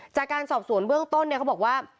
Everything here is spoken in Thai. จากการสอบสวนเบื้องต้นเนี่ยเขาบอกว่า